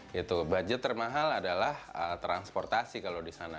gitu budget termahal adalah transportasi kalau di sana